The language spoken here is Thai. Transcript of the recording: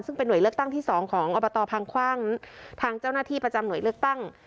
ซึ่งเป็นห่วยเลือกตั้งที่สองของอบตพังคว่างทางเจ้าหน้าที่ประจำหน่วยเลือกตั้ง